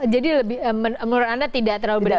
jadi menurut anda tidak terlalu beresiko